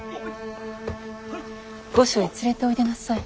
御所へ連れておいでなさい。